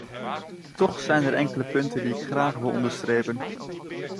Toch zijn er enkele punten die ik graag wil onderstrepen.